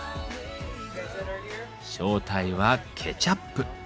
正体はケチャップ。